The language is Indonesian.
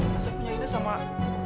masa punya inah sama